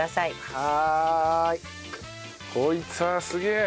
はーい！こいつはすげえ！